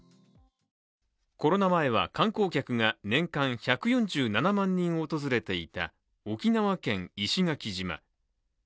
コロナ前は観光客が年間１４７万人訪れていた沖縄県石垣島。